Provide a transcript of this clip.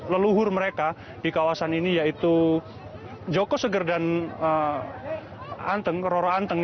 leluhur mereka di kawasan ini yaitu joko seger dan roro anteng